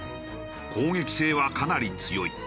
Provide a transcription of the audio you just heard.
攻撃性はかなり強い。